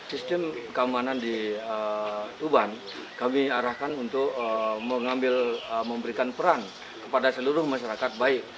sistem keamanan di tuban kami arahkan untuk mengambil memberikan peran kepada seluruh masyarakat baik